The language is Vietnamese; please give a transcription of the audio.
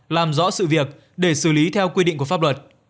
làm rõ sự việc để xử lý theo quy định của pháp luật